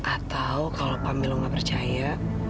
atau kalau pak milo gak percaya